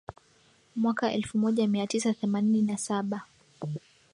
mwaka elfu moja mia tisa themanini na saba